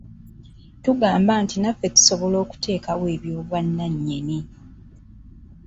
Tugamba nti naffe tusobola okuteekawo ey’obwannannyini.